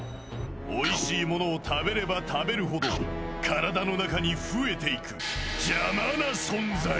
おいしいものを食べれば食べるほど体の中に増えていく邪魔な存在。